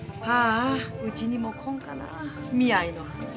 ああうちにも来んかなあ見合いの話。